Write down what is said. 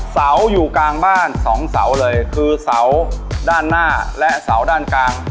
เสาอยู่กลางบ้านสองเสาเลยคือเสาด้านหน้าและเสาด้านกลาง